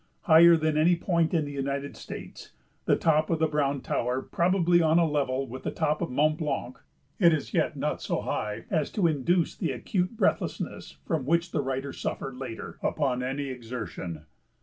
Higher than any point in the United States, the top of the Browne Tower probably on a level with the top of Mount Blanc, it is yet not so high as to induce the acute breathlessness from which the writer suffered, later, upon any exertion.